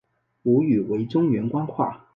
母语为中原官话。